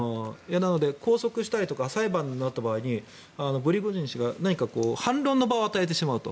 なので拘束したりとか裁判になった場合にプリゴジン氏が何か反論の場を与えてしまうと。